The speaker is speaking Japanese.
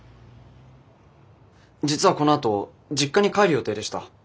実はこのあと実家に帰る予定でした。